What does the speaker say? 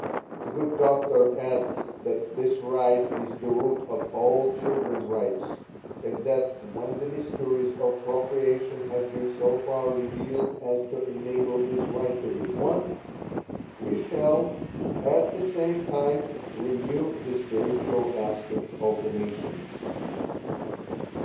The good doctor adds that this right is the root of all children's rights; and that when the mysteries of procreation have been so far revealed as to enable this right to be won, we shall, at the same time renew the spiritual aspect of the nations.